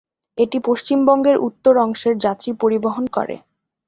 এটি পশ্চিমবঙ্গের উত্তর অংশের যাত্রী পরিবহন করে।